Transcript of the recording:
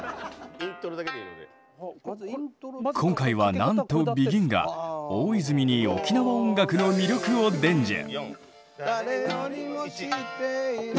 今回はなんとＢＥＧＩＮが大泉に沖縄音楽の魅力を伝授！